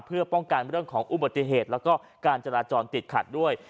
เพื่อป้องกันเรื่องของอุบัติเหตุแล้วก็การจราจรติดขัดด้วย